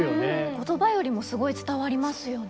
言葉よりもすごい伝わりますよね。